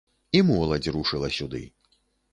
І моладзь рушыла сюды.